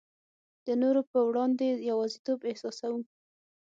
د نورو په وړاندي یوازیتوب احساسوو.